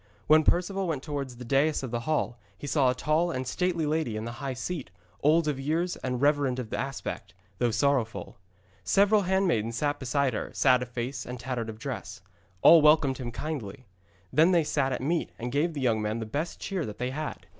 When Perceval went towards the dais of the hall he saw a tall and stately lady in the high seat, old of years and reverend of aspect, though sorrowful. Several handmaids sat beside her, sad of face and tattered of dress. All welcomed him right kindly. Then they sat at meat, and gave the young man the best cheer that they had.